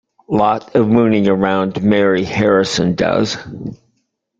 Lot of mooning around Mary Harrison does!